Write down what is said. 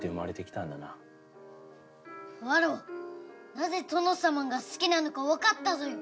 なぜ『とのさまん』が好きなのかわかったぞよ！